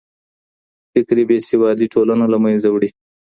فکري بې سوادي ټولنه له منځه وړي.